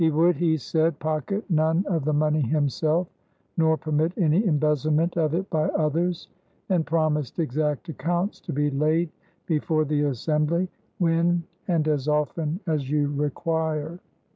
He would, he said, pocket none of the money himself nor permit any embezzlement of it by others and promised exact accounts to be laid before the Assembly "when and as often as you require."